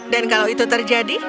dan kalau itu terjadi